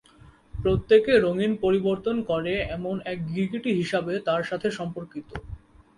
প্রত্যেকে রঙিন পরিবর্তন করে এমন এক গিরগিটি হিসাবে তার সাথে সম্পর্কিত।